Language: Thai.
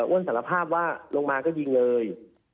อ้นสารภาพว่าลงมาก็ยิงเลย